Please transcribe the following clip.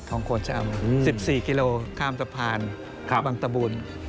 ของคนจะเอา๑๔คิโลกรัมข้ามสะพานบางตะบูน